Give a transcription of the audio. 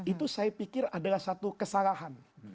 itu saya pikir adalah satu kesalahan